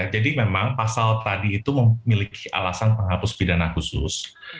jadi memang pasal tadi itu memiliki alasan penghapus pidana khusus